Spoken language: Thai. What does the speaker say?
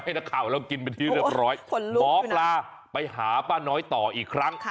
นักข่าวเรากินเป็นที่เรียบร้อยหมอปลาไปหาป้าน้อยต่ออีกครั้ง